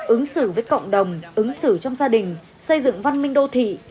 ứng xử với cộng đồng ứng xử trong gia đình xây dựng văn minh đô thị